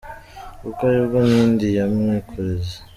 Kuko ari bwo nkingi ya mwikorezi,